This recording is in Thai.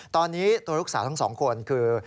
ตอนนี้ตัวลูกสาวทั้งสองคนคือ